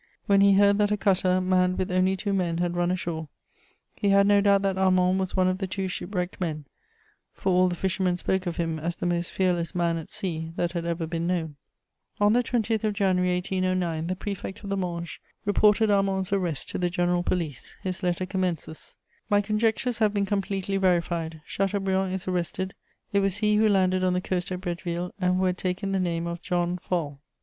When he heard that a cutter manned with only two men had run ashore, he had no doubt that Armand was one of the two shipwrecked men, for all the fishermen spoke of him as the most fearless man at sea that had ever been known. [Sidenote: Arrest of Armand.] On the 20th of January 1809, the Prefect of the Manche reported Armand's arrest to the general police. His letter commences: "My conjectures have been completely verified: Chateaubriand is arrested; it was he who landed on the coast at Bretteville and who had taken the name of 'John Fall.'